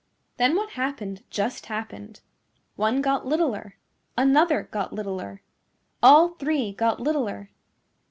Then what happened just happened. One got littler. Another got littler. All three got littler.